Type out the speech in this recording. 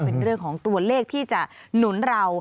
เป็นเรื่องของตัวเลขที่จะหนุนเรา